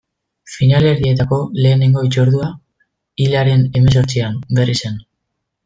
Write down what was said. Finalerdietako lehenengo hitzordua, hilaren hemezortzian, Berrizen.